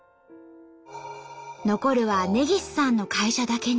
残るは根岸さんの会社だけに。